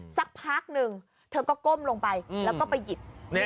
สักพักหนึ่งเธอก็ก้มลงไปแล้วก็ไปหยิบ